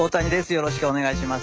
よろしくお願いします。